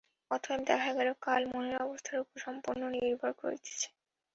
অতএব দেখা গেল, কাল মনের অবস্থার উপর সম্পূর্ণ নির্ভর করিতেছে।